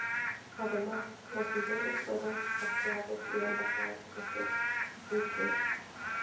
Además, los víveres fueron saqueados y embarcados a los buques.